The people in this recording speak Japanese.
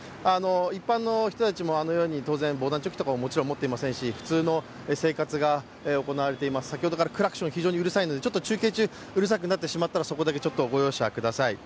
一般の人たちもあのように当然防弾チョッキなどはもちろん持っていませんし、普通の生活が行われています、先ほどからクラクションが非常にうるさいので中継中、うるさくなってしまったらそこだけご容赦ください。